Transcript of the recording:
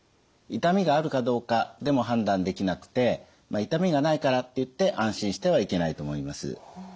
痛みがあるかどうかでも判断できなくて痛みがないからっていって安心してはいけないと思います。